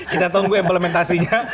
kita tunggu implementasinya